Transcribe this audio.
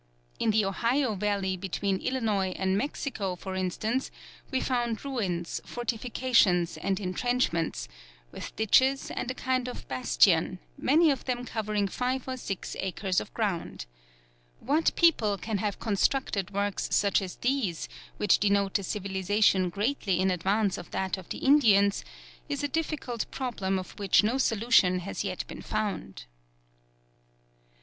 In the Ohio valley between Illinois and Mexico for instance, were found ruins, fortifications, and entrenchments, with ditches and a kind of bastion, many of them covering five or six acres of ground. What people can have constructed works such as these, which denote a civilization greatly in advance of that of the Indians, is a difficult problem of which no solution has yet been found.